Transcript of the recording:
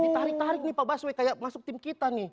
ditarik tarik nih pak baswe kayak masuk tim kita nih